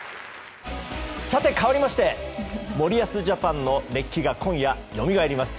さて、かわりまして森保ジャパンの熱気が今夜、よみがえります。